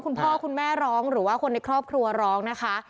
คุณพ่อคุณแม่ร้องหรือว่าคนในครอบครัวร้องนะคะ